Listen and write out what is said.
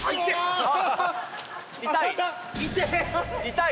痛い？